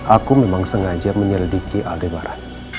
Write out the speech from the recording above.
aku memang sengaja menyelidiki aldebara